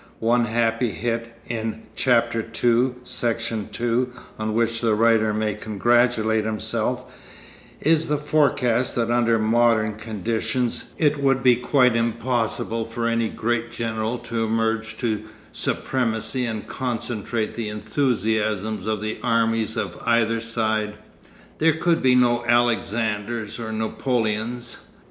One happy hit (in Chapter the Second, Section 2), on which the writer may congratulate himself, is the forecast that under modern conditions it would be quite impossible for any great general to emerge to supremacy and concentrate the enthusiasm of the armies of either side. There could be no Alexanders or Napoleons.